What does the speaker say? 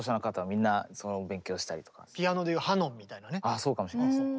ああそうかもしれないですね。